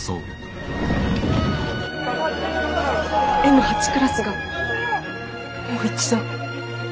Ｍ８クラスがもう一度。